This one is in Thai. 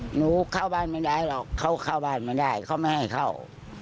หนูเข้าบ้านไม่ได้หรอกเขาเข้าบ้านไม่ได้เขาไม่ให้เข้า